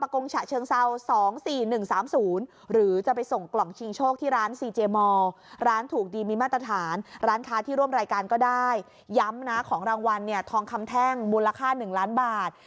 ของรางวัลทองคำแท่งมูลค่า๑ล้านบาท